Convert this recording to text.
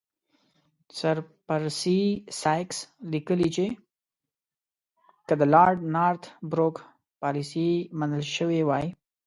سر پرسي سایکس لیکي چې که د لارډ نارت بروک پالیسي منل شوې وای.